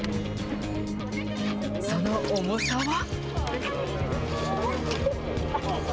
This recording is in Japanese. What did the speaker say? その重さは。